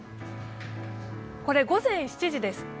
これ、午前７時です。